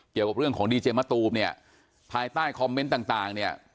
เกี่ยวกับเรื่องของดีเจมะตูมเนี่ยภายใต้คอมเมนต์ต่างต่างเนี่ย